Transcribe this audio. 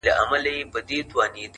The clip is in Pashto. هغه مه ښوروه ژوند راڅخـه اخلي،